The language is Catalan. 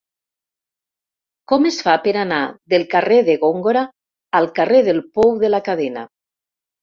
Com es fa per anar del carrer de Góngora al carrer del Pou de la Cadena?